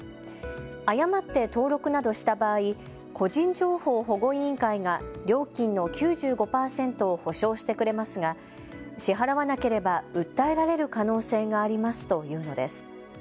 誤って登録などした場合、個人情報保護委員会が料金の９５％を補償してくれますが支払わなければ訴えられる可能性がありますというのです。